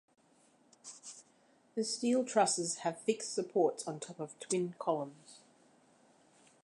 The steel trusses have fixed supports on top of twin columns.